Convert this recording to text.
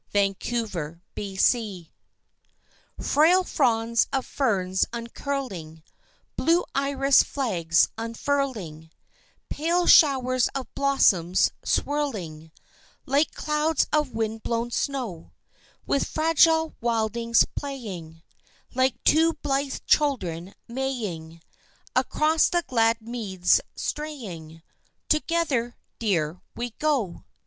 Preluding Frail fronds of ferns uncurling, Blue iris flags unfurling, Pale showers of blossoms swirling Like clouds of wind blown snow; With fragile wildings playing, Like two blithe children maying, Across the glad meads straying, Together, dear, we go.